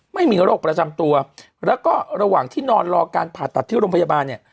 ไม่มีโรคประจำตัวแล้วก็ระหว่างที่นอนรอการผ่าตัดที่โรงพยาบาลเนี่ย